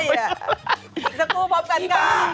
อีกสักครู่พร้อมกันก้าวค่ะสิบ้า